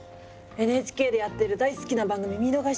ＮＨＫでやってる大好きな番組見逃しちゃったのよ。